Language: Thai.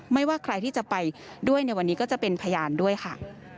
ว่าใครที่จะไปด้วยในวันนี้ก็จะเป็นพยานด้วยค่ะ